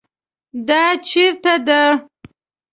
دا چیرته ده؟